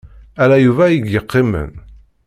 Ala Yuba ay yeqqimen.